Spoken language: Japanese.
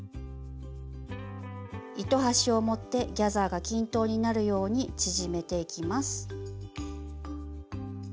糸端を持ってギャザーが均等になるように縮めていきます。